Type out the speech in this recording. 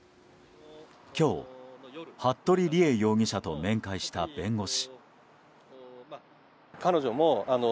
今日、服部理江容疑者と面会した弁護士。